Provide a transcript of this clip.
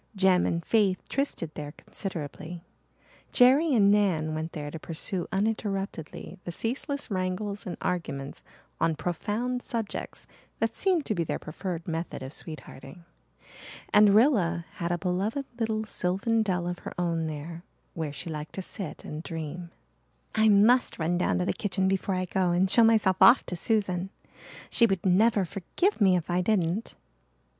Jem and Faith trysted there considerably; Jerry and Nan went there to pursue uninterruptedly the ceaseless wrangles and arguments on profound subjects that seemed to be their preferred method of sweethearting. And Rilla had a beloved little sylvan dell of her own there where she liked to sit and dream. "I must run down to the kitchen before I go and show myself off to Susan. She would never forgive me if I didn't."